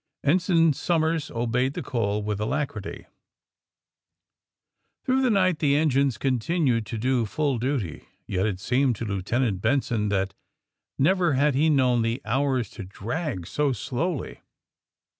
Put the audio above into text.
Ensign Somers obeyed the call with alacrity. AND THE SMUGGLERS 117 Throngli the night the engines continued to do full duty, yet it seemed to Lieutenant Benson that never had he loiown the hours to drag so slowly.